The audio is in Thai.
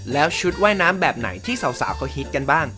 แล้วชุดว่ายน้ำแบบไหนที่สาวเขาฮิตกันบ้าง